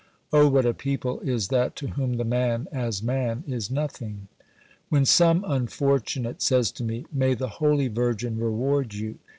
Oh what a people is that to whom the man as man is nothing ! When some unfortunate says to me :•' May the Holy Virgin reward you